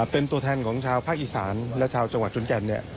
เป็นตัวแทนของชาวภาคอีสานและชาวจังหวัดชุนแก่น